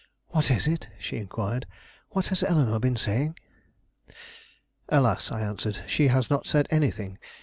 "What is it?" she inquired. "What has Eleanore been saying?" "Alas!" I answered, "she has not said anything.